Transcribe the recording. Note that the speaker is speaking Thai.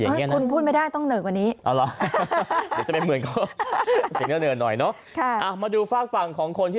คุณพูดไม่ได้ต้องเหนือกว่านี้